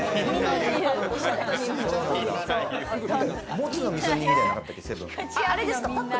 モツのみそ煮みたいなの、なかったっけ？